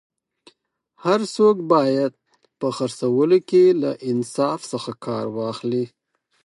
هر څوک باید په خرڅولو کي له انصاف څخه کار واخلي